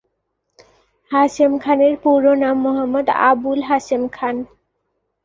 হাশেম খানের পুরো নাম মোহাম্মদ আবুল হাশেম খান।